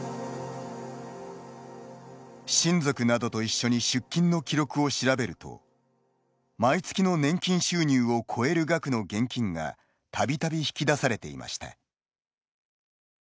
親族などと一緒に出金の記録を調べると毎月の年金収入を超える額の現金がたびたび引き出されていました。